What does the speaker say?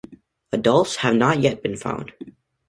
Adults have not yet been found.